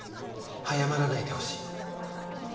早まらないでほしい」